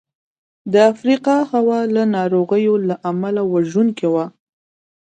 د افریقا هوا له ناروغیو له امله وژونکې وه.